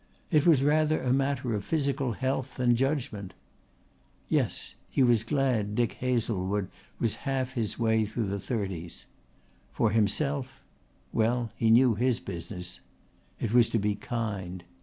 It was rather a matter of physical health than judgment. Yes, he was glad Dick Hazlewood was half his way through the thirties. For himself well, he knew his business. It was to be kind.